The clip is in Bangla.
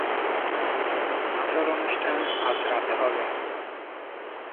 আসল অনুষ্ঠান আজ রাতে হবে।